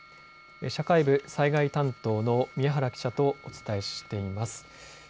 社会部災害担当の宮原記者とお伝えしています。